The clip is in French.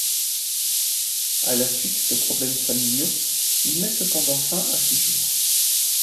À la suite de problèmes familiaux, il met cependant fin à ses jours.